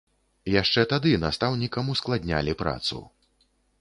Яшчэ тады настаўнікам ускладнялі працу.